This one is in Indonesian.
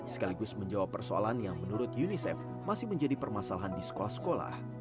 sekaligus menjawab persoalan yang menurut unicef masih menjadi permasalahan di sekolah sekolah